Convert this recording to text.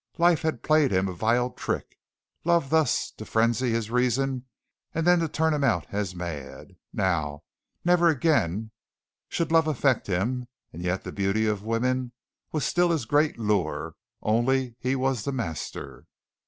Life had played him a vile trick love thus to frenzy his reason and then to turn him out as mad. Now, never again, should love affect him, and yet the beauty of woman was still his great lure only he was the master.